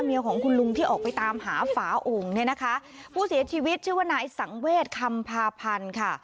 เมียของคุณลุงที่ออกไปตามหาฝาโอ่งเนี่ยนะคะผู้เสียชีวิตชื่อว่านายสังเวศคำพาพันธ์ค่ะ